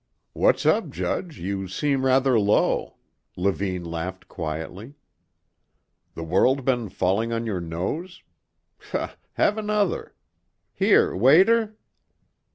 "What's up, Judge, you seem rather low," Levine laughed quietly. "The world been falling on your nose? Ha, have another. Here, waiter...."